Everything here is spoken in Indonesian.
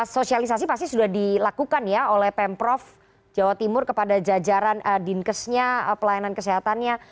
sosialisasi pasti sudah dilakukan ya oleh pemprov jawa timur kepada jajaran dinkesnya pelayanan kesehatannya